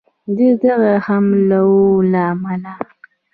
د دغه حملو له امله